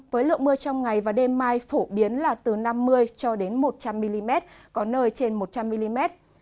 với lượng mưa trong ngày và đêm mai phổ biến là từ năm mươi cho đến một trăm linh mm có nơi trên một trăm linh mm